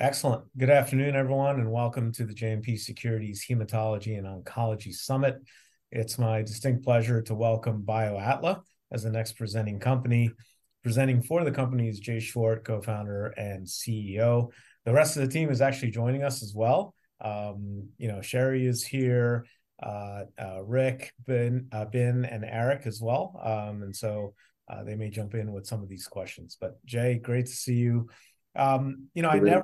Excellent. Good afternoon, everyone, and welcome to the JMP Securities Hematology and Oncology Summit. It's my distinct pleasure to welcome BioAtla as the next presenting company. Presenting for the company is Jay Short, co-founder and CEO. The rest of the team is actually joining us as well. You know, Sheri is here, Rick, Bin, and Eric as well. And so, they may jump in with some of these questions. But Jay, great to see you. You know- Great...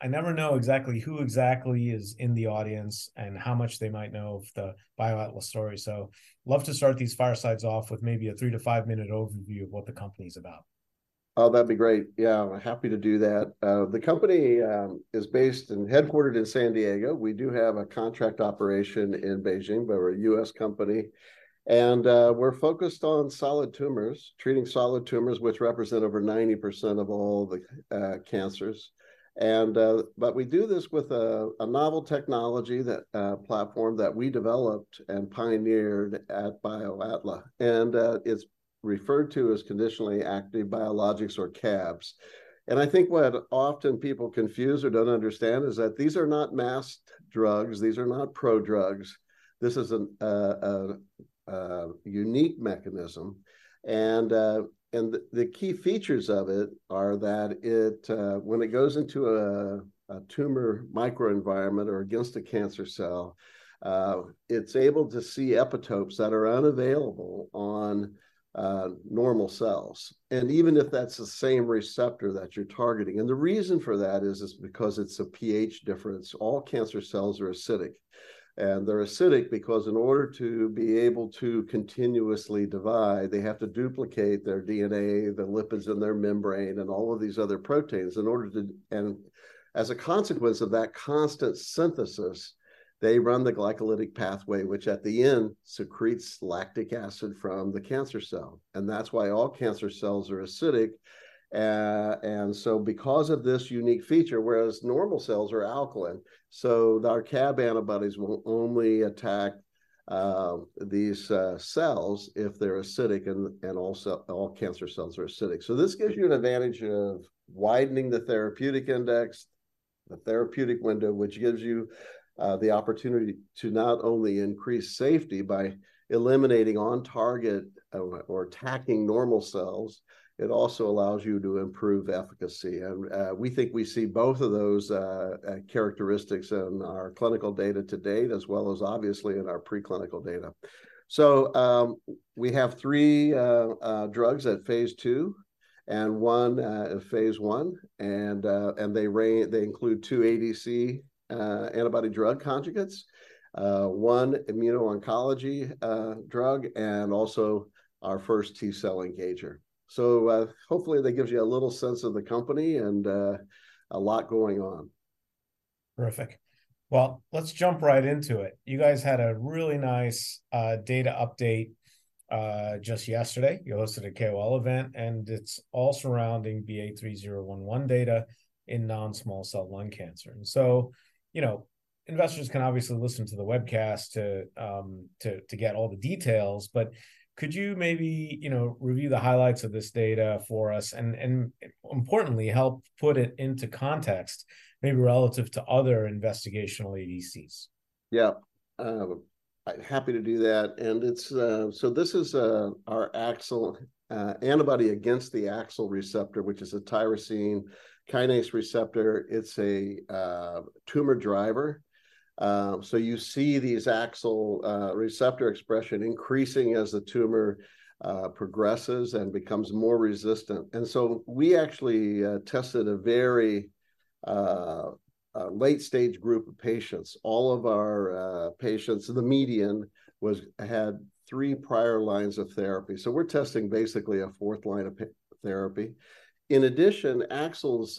I never know exactly who is in the audience and how much they might know of the BioAtla story, so love to start these firesides off with maybe a three to five minute overview of what the company's about. Oh, that'd be great. Yeah, I'm happy to do that. The company is based and headquartered in San Diego. We do have a contract operation in Beijing, but we're a U.S. company. And we're focused on solid tumors, treating solid tumors, which represent over 90% of all the cancers. And but we do this with a novel technology, that platform that we developed and pioneered at BioAtla, and it's referred to as Conditionally Active Biologics, or CABs. And I think what often people confuse or don't understand is that these are not masked drugs. These are not prodrugs. This is a unique mechanism, and the key features of it are that it, when it goes into a tumor microenvironment or against a cancer cell, it's able to see epitopes that are unavailable on normal cells, and even if that's the same receptor that you're targeting. The reason for that is because it's a pH difference. All cancer cells are acidic, and they're acidic because in order to be able to continuously divide, they have to duplicate their DNA, the lipids in their membrane, and all of these other proteins. In order to... And as a consequence of that constant synthesis, they run the glycolytic pathway, which at the end secretes lactic acid from the cancer cell, and that's why all cancer cells are acidic. Because of this unique feature, whereas normal cells are alkaline, so our CAB antibodies will only attack these cells if they're acidic, and also all cancer cells are acidic. So this gives you an advantage of widening the therapeutic index, the therapeutic window, which gives you the opportunity to not only increase safety by eliminating on-target or attacking normal cells, it also allows you to improve efficacy. And we think we see both of those characteristics in our clinical data to date, as well as obviously in our preclinical data. So we have three drugs at Phase II and one at Phase I, and they include two ADC antibody drug conjugates, one immuno-oncology drug, and also our first T-cell engager. Hopefully that gives you a little sense of the company, and a lot going on. Terrific. Well, let's jump right into it. You guys had a really nice data update just yesterday. You hosted a KOL event, and it's all surrounding BA3011 data in non-small cell lung cancer. And so, you know, investors can obviously listen to the webcast to get all the details, but could you maybe, you know, review the highlights of this data for us, and importantly, help put it into context, maybe relative to other investigational ADCs? Yeah. Happy to do that. And it's... So this is our AXL antibody against the AXL receptor, which is a tyrosine kinase receptor. It's a tumor driver. So you see these AXL receptor expression increasing as the tumor progresses and becomes more resistant. And so we actually tested a very late-stage group of patients. All of our patients, the median had three prior lines of therapy, so we're testing basically a fourth line of therapy. In addition, AXL's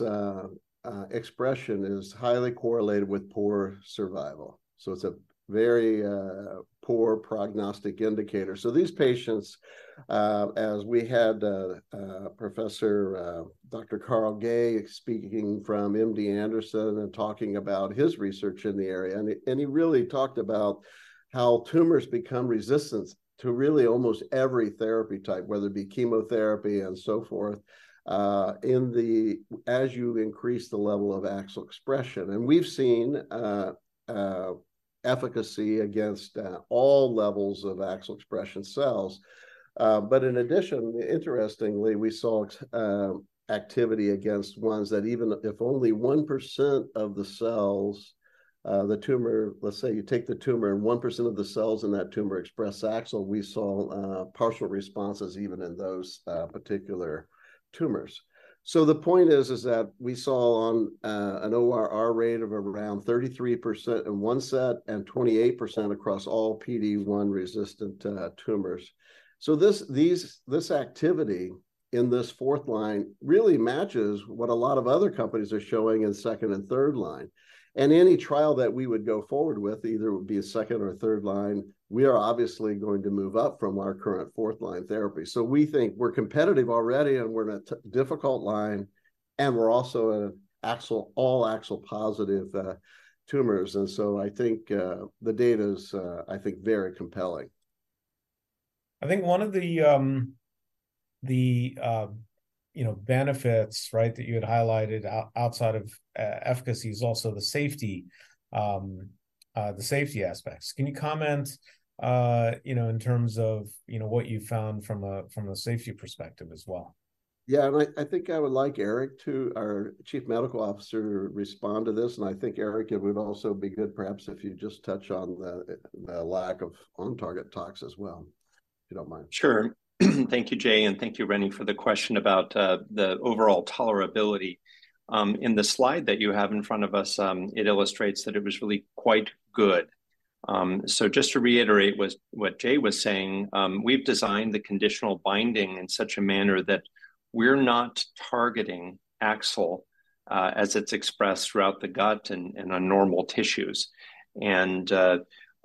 expression is highly correlated with poor survival, so it's a very poor prognostic indicator. So these patients, as we had Professor Dr. Carl Gay speaking from MD Anderson and talking about his research in the area, and he really talked about how tumors become resistant to really almost every therapy type, whether it be chemotherapy and so forth, in the, as you increase the level of AXL expression. And we've seen efficacy against all levels of AXL expression cells. But in addition, interestingly, we saw activity against ones that even if only 1% of the cells, the tumor. Let's say you take the tumor, and 1% of the cells in that tumor express AXL, we saw partial responses even in those particular tumors. So the point is that we saw an ORR rate of around 33% in one set and 28% across all PD-1 resistant tumors. So this activity in this fourth line really matches what a lot of other companies are showing in second and third line. And any trial that we would go forward with either would be a second or third line. We are obviously going to move up from our current fourth line therapy. So we think we're competitive already, and we're in a difficult line, and we're also in AXL, all AXL-positive tumors. And so I think the data is, I think, very compelling.... I think one of the, you know, benefits, right, that you had highlighted outside of efficacy is also the safety, the safety aspects. Can you comment, you know, in terms of, you know, what you found from a safety perspective as well? Yeah, and I think I would like Eric, our Chief Medical Officer, to respond to this. And I think, Eric, it would also be good perhaps if you just touch on the lack of on-target tox as well, if you don't mind. Sure. Thank you, Jay, and thank you, Rennie, for the question about the overall tolerability. In the slide that you have in front of us, it illustrates that it was really quite good. So just to reiterate what Jay was saying, we've designed the conditional binding in such a manner that we're not targeting AXL as it's expressed throughout the gut and on normal tissues. And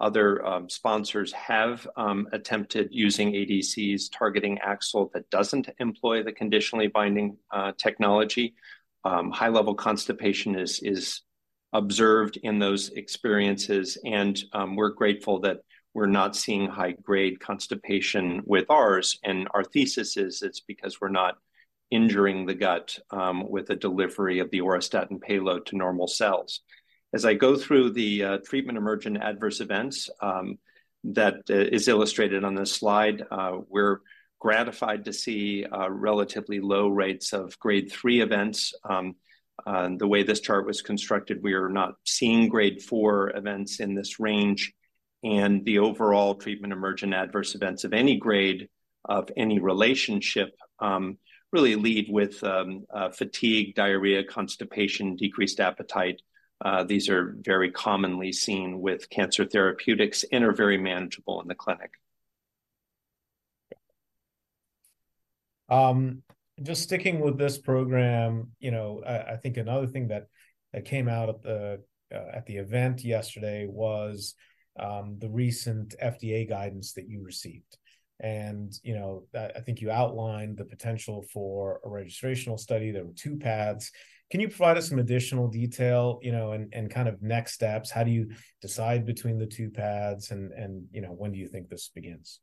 other sponsors have attempted using ADCs targeting AXL that doesn't employ the conditionally binding technology. High-level constipation is observed in those experiences, and we're grateful that we're not seeing high-grade constipation with ours. And our thesis is, it's because we're not injuring the gut with the delivery of the auristatin payload to normal cells. As I go through the treatment-emergent adverse events that is illustrated on this slide, we're gratified to see relatively low rates of Grade 3 events. The way this chart was constructed, we are not seeing Grade 4 events in this range. The overall treatment-emergent adverse events of any grade, of any relationship, really lead with fatigue, diarrhea, constipation, decreased appetite. These are very commonly seen with cancer therapeutics and are very manageable in the clinic. Just sticking with this program, you know, I think another thing that came out at the event yesterday was the recent FDA guidance that you received. And, you know, I think you outlined the potential for a registrational study. There were two paths. Can you provide us some additional detail, you know, and kind of next steps? How do you decide between the two paths, and, you know, when do you think this begins?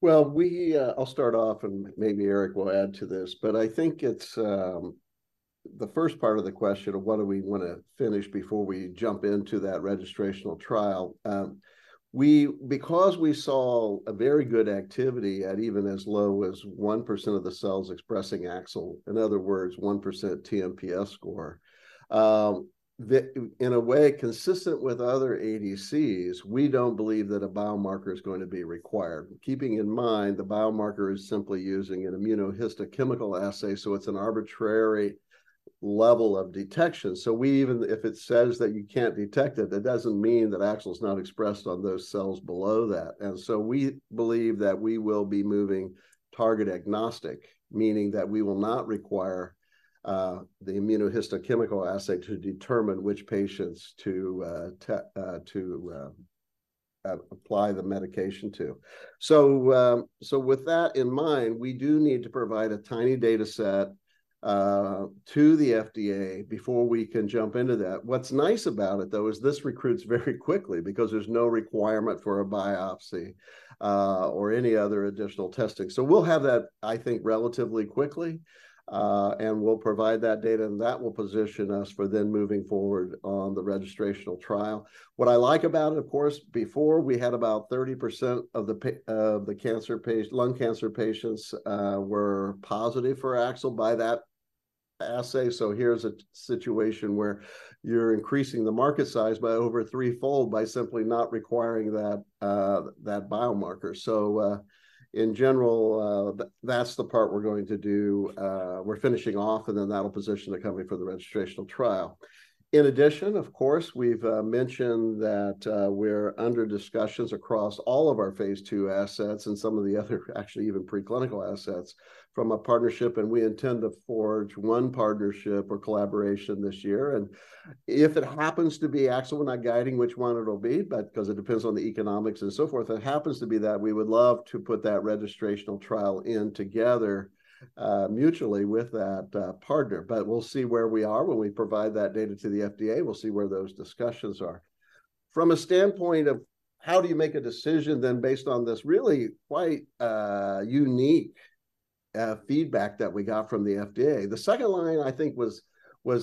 Well, we'll start off, and maybe Eric will add to this. But I think it's the first part of the question of what do we want to finish before we jump into that registrational trial. Because we saw a very good activity at even as low as 1% of the cells expressing AXL, in other words, 1% TMPS score, in a way, consistent with other ADCs, we don't believe that a biomarker is going to be required. Keeping in mind, the biomarker is simply using an immunohistochemical assay, so it's an arbitrary level of detection. So even if it says that you can't detect it, that doesn't mean that AXL is not expressed on those cells below that. And so we believe that we will be moving target-agnostic, meaning that we will not require the immunohistochemical assay to determine which patients to apply the medication to. So with that in mind, we do need to provide a tiny data set to the FDA before we can jump into that. What's nice about it, though, is this recruits very quickly because there's no requirement for a biopsy or any other additional testing. So we'll have that, I think, relatively quickly, and we'll provide that data, and that will position us for then moving forward on the registrational trial. What I like about it, of course, before we had about 30% of the lung cancer patients were positive for AXL by that assay. So here's a situation where you're increasing the market size by over threefold by simply not requiring that biomarker. So in general, that's the part we're going to do. We're finishing off, and then that'll position the company for the registrational trial. In addition, of course, we've mentioned that we're under discussions across all of our Phase II assets and some of the other, actually even preclinical assets, from a partnership, and we intend to forge one partnership or collaboration this year. And if it happens to be AXL, we're not guiding which one it'll be, but 'cause it depends on the economics and so forth. If it happens to be that, we would love to put that registrational trial in together, mutually with that partner. But we'll see where we are when we provide that data to the FDA. We'll see where those discussions are. From a standpoint of how do you make a decision then based on this really quite unique feedback that we got from the FDA? The second line, I think, was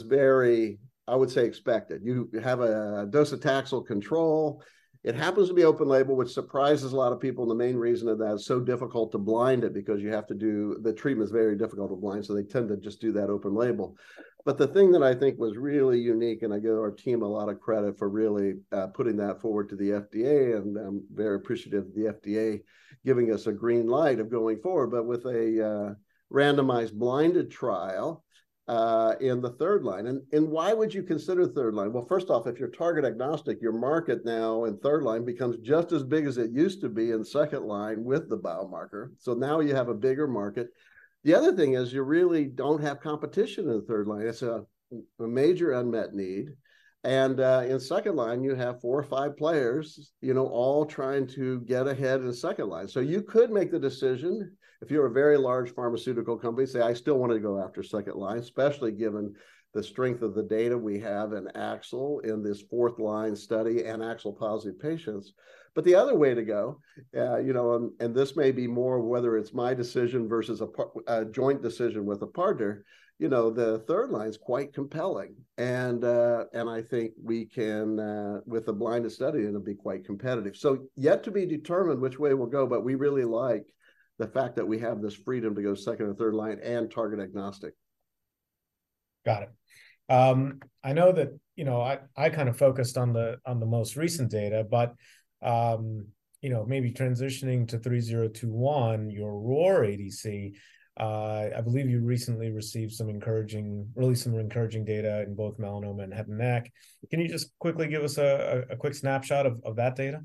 very, I would say, expected. You have a docetaxel control. It happens to be open label, which surprises a lot of people, and the main reason of that, it's so difficult to blind it because the treatment is very difficult to blind, so they tend to just do that open label. But the thing that I think was really unique, and I give our team a lot of credit for really putting that forward to the FDA, and I'm very appreciative of the FDA giving us a green light of going forward, but with a randomized blinded trial in the third line. And why would you consider third line? Well, first off, if you're target-agnostic, your market now in third line becomes just as big as it used to be in second line with the biomarker. So now you have a bigger market. The other thing is, you really don't have competition in the third line. It's a major unmet need. And in second line, you have four or five players, you know, all trying to get ahead in second line. So you could make the decision, if you're a very large pharmaceutical company, say, "I still want to go after second line," especially given the strength of the data we have in AXL in this fourth line study and AXL-positive patients. But the other way to go, you know, and this may be more whether it's my decision versus a joint decision with a partner, you know, the third line is quite compelling. And I think we can, with a blinded study, it'll be quite competitive. So yet to be determined which way we'll go, but we really like the fact that we have this freedom to go second or third line and target-agnostic.... Got it. I know that, you know, I kind of focused on the most recent data, but, you know, maybe transitioning to 3021, your ROR ADC, I believe you recently received some encouraging, really some encouraging data in both melanoma and head and neck. Can you just quickly give us a quick snapshot of that data?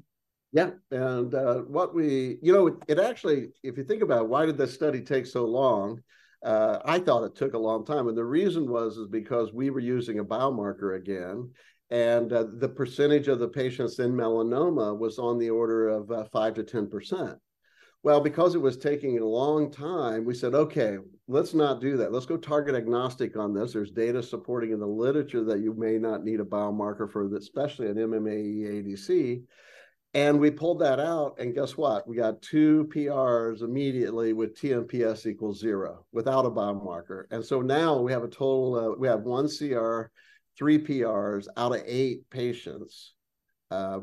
Yeah, and, You know, it actually, if you think about why did this study take so long, I thought it took a long time, and the reason was, is because we were using a biomarker again, and, the percentage of the patients in melanoma was on the order of 5%-10%. Well, because it was taking a long time, we said, "Okay, let's not do that. Let's go target agnostic on this. There's data supporting in the literature that you may not need a biomarker for this, especially an MMAE ADC." And we pulled that out, and guess what? We got 2 PRs immediately with TmPS equals zero, without a biomarker. And so now we have a total of, We have one CR, three PRs out of eight patients.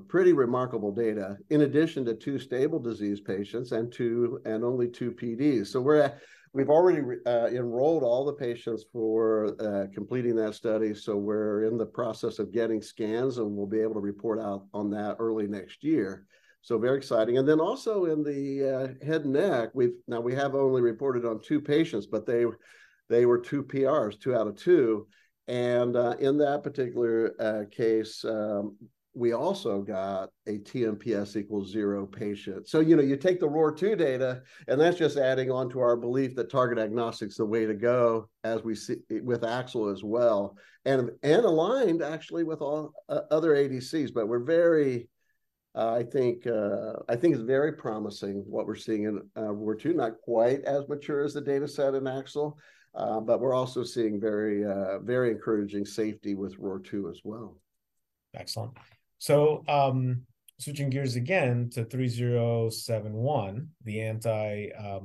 Pretty remarkable data, in addition to two stable disease patients and two, and only two PDs. So we're. We've already re-enrolled all the patients for completing that study, so we're in the process of getting scans, and we'll be able to report out on that early next year. So very exciting. And then also in the head and neck, we've. Now, we have only reported on two patients, but they were two PRs, two out of two, and in that particular case, we also got a TmPS equals zero patient. So, you know, you take the ROR2 data, and that's just adding on to our belief that target agnostic's the way to go, as we see with AXL as well, and aligned actually with all other ADCs. But we're very, I think, I think it's very promising what we're seeing in ROR2. Not quite as mature as the data set in AXL, but we're also seeing very, very encouraging safety with ROR2 as well. Excellent. So, switching gears again to 3071, the anti-CTLA,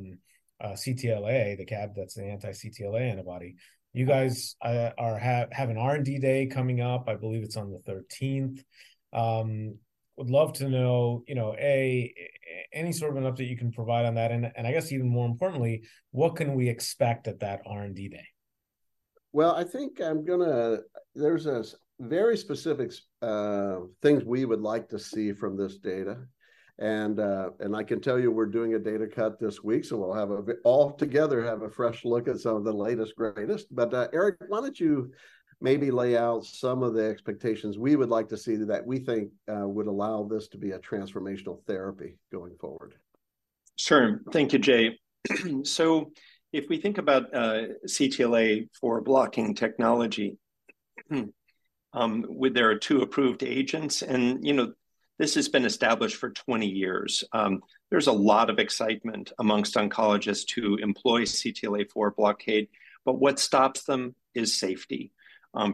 the CAB that's the anti-CTLA antibody. Yeah. You guys have an R&D Day coming up. I believe it's on the 13th. Would love to know, you know, any sort of an update you can provide on that, and I guess even more importantly, what can we expect at that R&D Day? Well, I think I'm gonna... There's a very specific things we would like to see from this data, and, and I can tell you we're doing a data cut this week, so we'll have a all together, have a fresh look at some of the latest, greatest. But, Eric, why don't you maybe lay out some of the expectations we would like to see that we think would allow this to be a transformational therapy going forward? Sure. Thank you, Jay. So if we think about CTLA-4 blocking technology, well, there are two approved agents, and, you know, this has been established for 20 years. There's a lot of excitement among oncologists to employ CTLA-4 blockade, but what stops them is safety.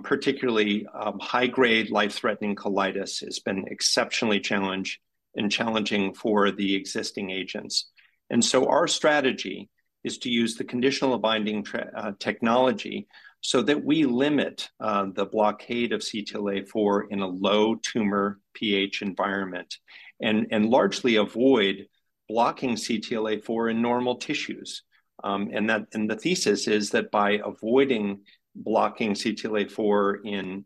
Particularly, high-grade, life-threatening colitis has been exceptionally challenging for the existing agents. And so our strategy is to use the conditional binding technology so that we limit the blockade of CTLA-4 in a low tumor pH environment, and largely avoid blocking CTLA-4 in normal tissues. And that, and the thesis is that by avoiding blocking CTLA-4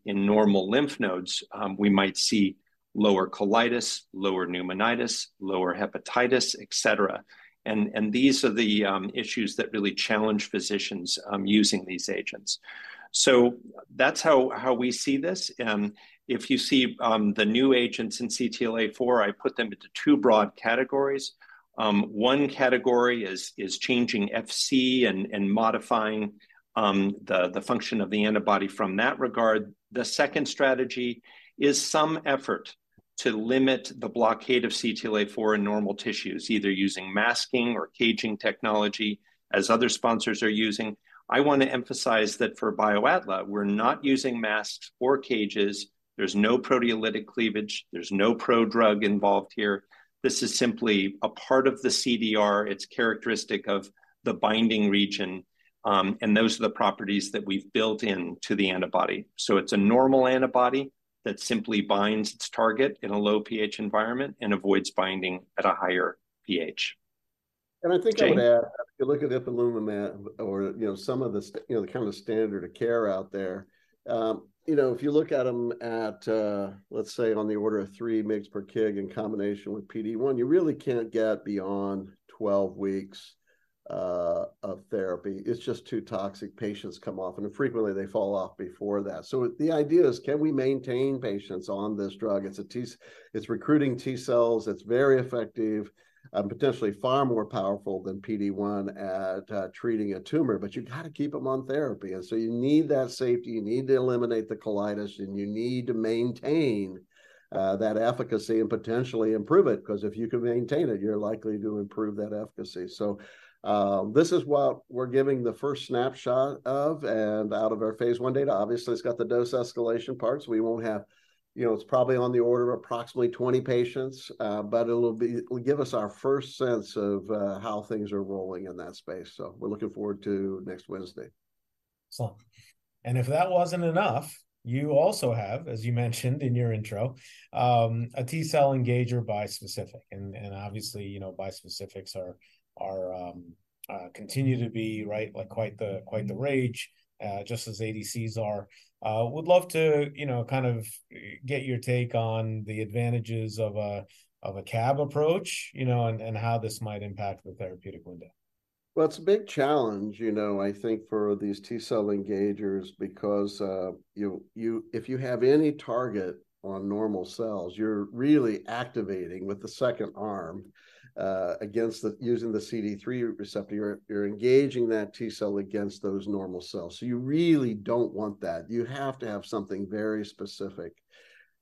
in normal lymph nodes, we might see lower colitis, lower pneumonitis, lower hepatitis, et cetera. And these are the issues that really challenge physicians using these agents. So that's how we see this. If you see the new agents in CTLA-4, I put them into two broad categories. One category is changing Fc and modifying the function of the antibody from that regard. The second strategy is some effort to limit the blockade of CTLA-4 in normal tissues, either using masking or caging technology, as other sponsors are using. I want to emphasize that for BioAtla, we're not using masks or cages. There's no proteolytic cleavage. There's no prodrug involved here. This is simply a part of the CDR. It's characteristic of the binding region, and those are the properties that we've built in to the antibody. So it's a normal antibody that simply binds its target in a low-pH environment and avoids binding at a higher pH. I think- Jay... I'd add, if you look at Ipilimumab or, you know, some of the you know, the kind of standard of care out there, you know, if you look at them at, let's say, on the order of 3 mg/kg in combination with PD-1, you really can't get beyond 12 weeks of therapy. It's just too toxic. Patients come off, and frequently, they fall off before that. So the idea is, can we maintain patients on this drug? It's recruiting T-cells, it's very effective, and potentially far more powerful than PD-1 at treating a tumor, but you've got to keep them on therapy, and so you need that safety. You need to eliminate the colitis, and you need to maintain that efficacy and potentially improve it, 'cause if you can maintain it, you're likely to improve that efficacy. So, this is what we're giving the first snapshot of and out of our Phase I data. Obviously, it's got the dose escalation parts. We won't have... You know, it's probably on the order of approximately 20 patients, but it'll be- it will give us our first sense of, how things are rolling in that space, so we're looking forward to next Wednesday. Excellent. And if that wasn't enough, you also have, as you mentioned in your intro, a T-cell engager bispecific. And obviously, you know, bispecifics are continue to be, right, like quite the, quite the rage, just as ADCs are. Would love to, you know, kind of, get your take on the advantages of a, of a CAB approach, you know, and how this might impact the therapeutic window. Well, it's a big challenge, you know, I think for these T-cell engagers, because if you have any target on normal cells, you're really activating with the second arm against using the CD3 receptor. You're engaging that T-cell against those normal cells. So you really don't want that. You have to have something very specific.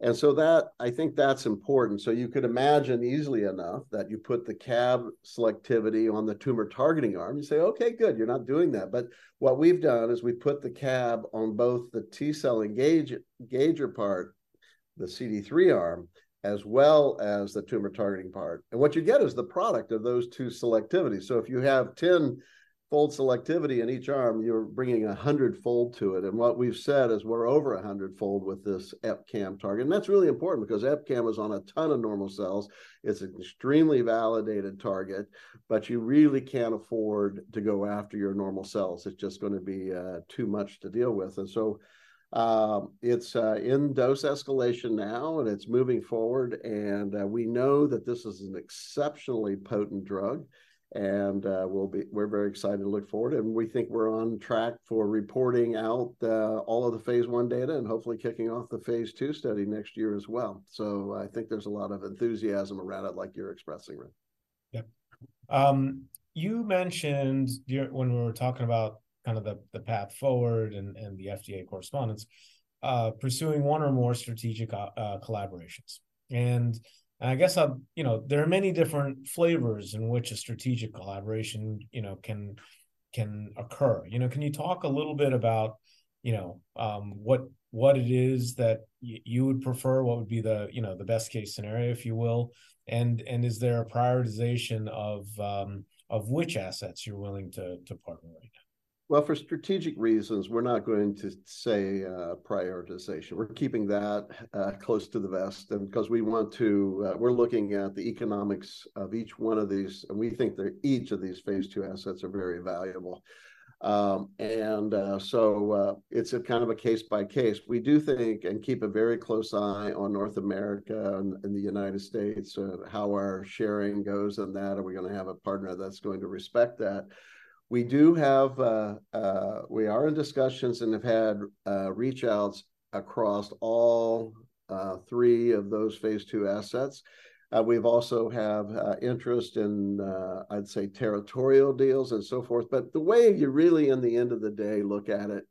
And so that I think that's important. So you could imagine easily enough that you put the CAB selectivity on the tumor-targeting arm, you say, "Okay, good, you're not doing that." But what we've done is we've put the CAB on both the T-cell engager part, the CD3 arm, as well as the tumor-targeting part, and what you get is the product of those two selectivities. So if you have 10-fold selectivity in each arm, you're bringing a 100-fold to it, and what we've said is we're over a 100-fold with this EpCAM target. And that's really important, because EpCAM is on a ton of normal cells. It's an extremely validated target, but you really can't afford to go after your normal cells. It's just gonna be too much to deal with. And so, it's in dose escalation now, and it's moving forward, and we know that this is an exceptionally potent drug. And we're very excited to look forward, and we think we're on track for reporting out all of the Phase I data and hopefully kicking off the Phase II study next year as well. So I think there's a lot of enthusiasm around it, like you're expressing, Rick. Yeah. You mentioned during when we were talking about kind of the path forward and the FDA correspondence, pursuing one or more strategic collaborations. And I guess, you know, there are many different flavors in which a strategic collaboration, you know, can, can occur. You know, can you talk a little bit about, you know, what, what it is that you would prefer? What would be the, you know, the best-case scenario, if you will, and is there a prioritization of which assets you're willing to, to partner right now? Well, for strategic reasons, we're not going to say prioritization. We're keeping that close to the vest, and 'cause we want to... We're looking at the economics of each one of these, and we think that each of these Phase II assets are very valuable. It's a kind of a case by case. We do think and keep a very close eye on North America and the United States, how our sharing goes in that. Are we gonna have a partner that's going to respect that? We do have, we are in discussions and have had reach-outs across all three of those Phase II assets. We've also have interest in, I'd say, territorial deals and so forth. The way you really in the end of the day look at it,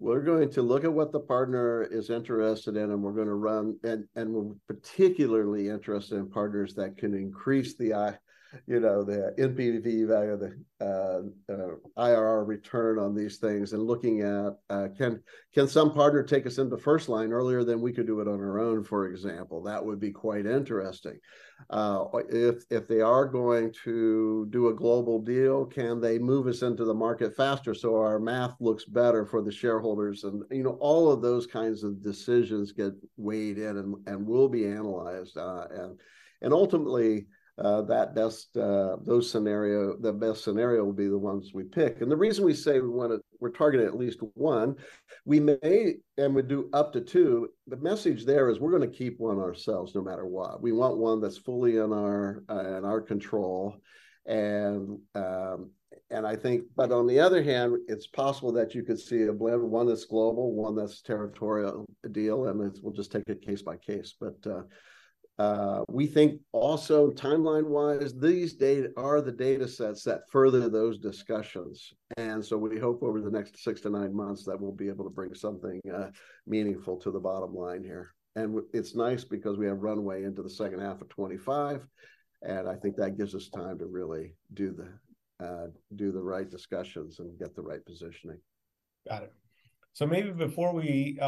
we're going to look at what the partner is interested in, and we're gonna run. We're particularly interested in partners that can increase, you know, the NPV value, the IRR return on these things, and looking at, can some partner take us into first line earlier than we could do it on our own, for example? That would be quite interesting. If they are going to do a global deal, can they move us into the market faster, so our math looks better for the shareholders? You know, all of those kinds of decisions get weighed in and will be analyzed, and ultimately, the best scenario will be the ones we pick. The reason we say we want to, we're targeting at least one, we may, and we do up to two, the message there is we're gonna keep one ourselves, no matter what. We want one that's fully in our, in our control, and, and I think... But on the other hand, it's possible that you could see a blend, one that's global, one that's territorial deal, and we'll just take it case by case. But we think also timeline-wise, these data are the datasets that further those discussions, and so we hope over the next six to nine months that we'll be able to bring something, meaningful to the bottom line here. It's nice because we have runway into the second half of 2025, and I think that gives us time to really do the right discussions and get the right positioning. Got it. So maybe before we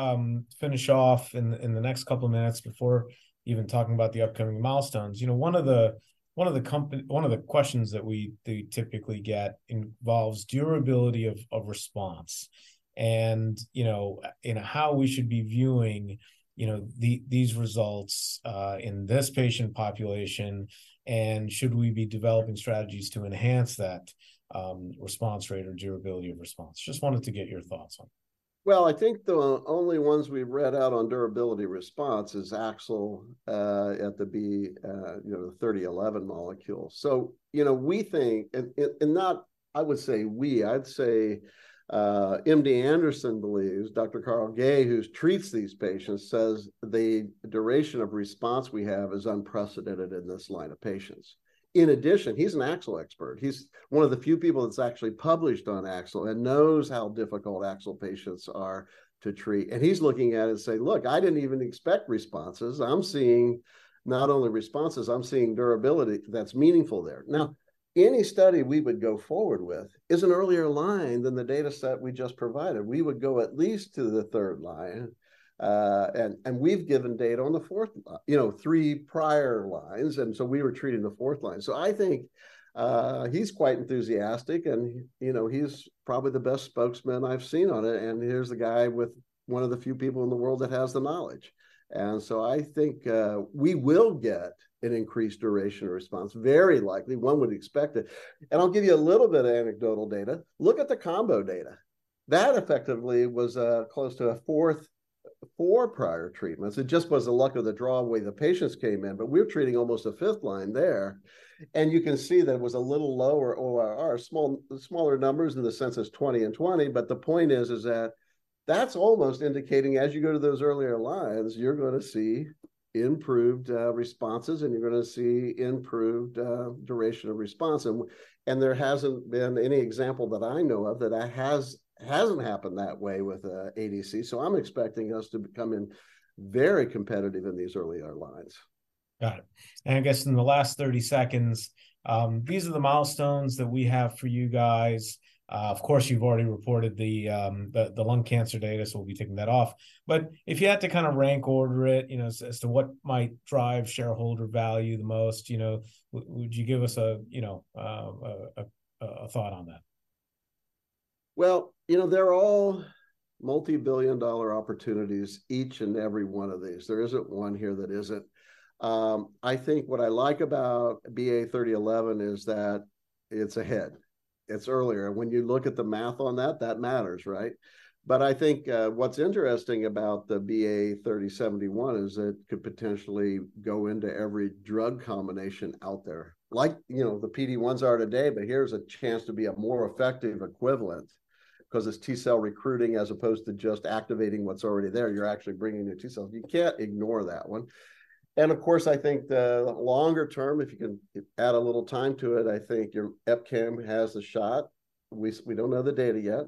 finish off in the next couple of minutes, before even talking about the upcoming milestones, you know, one of the questions that we typically get involves durability of response and, you know, and how we should be viewing these results in this patient population, and should we be developing strategies to enhance that response rate or durability of response? Just wanted to get your thoughts on it. Well, I think the only ones we've read out on durability response is AXL, at the BA3011 molecule. So, you know, we think, and not I would say we, I'd say, MD Anderson believes, Dr. Carl Gay, who treats these patients, says the duration of response we have is unprecedented in this line of patients. In addition, he's an AXL expert. He's one of the few people that's actually published on AXL and knows how difficult AXL patients are to treat, and he's looking at it and say, "Look, I didn't even expect responses. I'm seeing not only responses, I'm seeing durability that's meaningful there." Now, any study we would go forward with is an earlier line than the dataset we just provided. We would go at least to the third line, and, and we've given data on the fourth line, you know, three prior lines, and so we were treating the fourth line. So I think, he's quite enthusiastic, and, you know, he's probably the best spokesman I've seen on it, and here's a guy with one of the few people in the world that has the knowledge. And so I think, we will get an increased duration of response, very likely. One would expect it. And I'll give you a little bit of anecdotal data. Look at the combo data.... That effectively was, close to a fourth, four prior treatments. It just was the luck of the draw the way the patients came in, but we're treating almost a fifth line there. You can see that it was a little lower ORR, small, smaller numbers in the sense as 20 and 20. But the point is that that's almost indicating as you go to those earlier lines, you're gonna see improved responses, and you're gonna see improved duration of response. And there hasn't been any example that I know of that hasn't happened that way with ADC, so I'm expecting us to become very competitive in these earlier lines. Got it. And I guess in the last 30 seconds, these are the milestones that we have for you guys. Of course, you've already reported the lung cancer data, so we'll be taking that off. But if you had to kind of rank order it, you know, as to what might drive shareholder value the most, you know, would you give us a thought on that? Well, you know, they're all multi-billion dollar opportunities, each and every one of these. There isn't one here that isn't. I think what I like about BA3011 is that it's ahead, it's earlier. When you look at the math on that, that matters, right? But I think, what's interesting about the BA3071 is it could potentially go into every drug combination out there. Like, you know, the PD-1s are today, but here's a chance to be a more effective equivalent, 'cause it's T-cell recruiting as opposed to just activating what's already there. You're actually bringing new T-cells. You can't ignore that one. And of course, I think the longer term, if you can add a little time to it, I think your EpCAM has a shot. We don't know the data yet,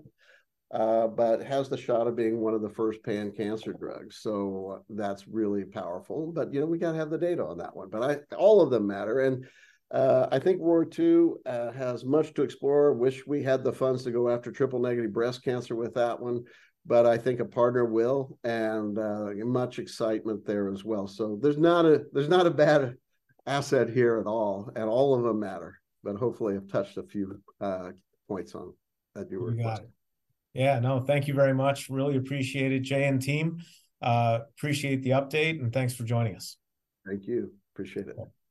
but has the shot of being one of the first pan-cancer drugs, so that's really powerful. But, you know, we gotta have the data on that one. But I... All of them matter, and I think ROR2 has much to explore. Wish we had the funds to go after triple-negative breast cancer with that one, but I think a partner will, and much excitement there as well. So there's not a bad asset here at all, and all of them matter. But hopefully I've touched a few points on that you were- You got it. Yeah, no, thank you very much. Really appreciate it, Jay and team. Appreciate the update, and thanks for joining us. Thank you. Appreciate it.